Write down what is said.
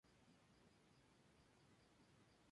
En su juventud trabajó como bombero voluntario.